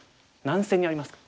何線にありますか？